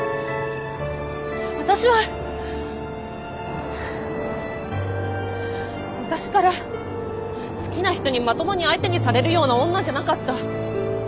私は昔から好きな人にまともに相手にされるような女じゃなかった。